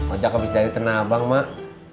ojak habis dari tanah abang mak